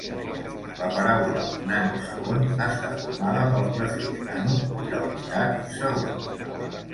La paraula nanosegon està formada pel prefix "nano" i la unitat "segon".